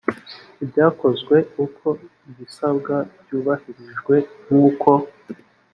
ibyakozwe uko ibisabwa byubahirijwe nk uko